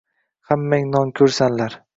Hammang nonko`rsanlar